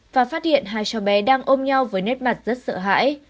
và phát hiện hai cháu bé đang ôm nhau với nét mặt rất sợ hãi